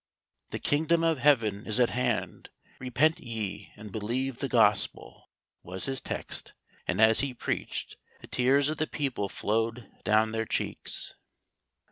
"The kingdom of Heaven is at hand; repent ye, and believe the Gospel," was his text, and as he preached, the tears of the people flowed down their cheeks.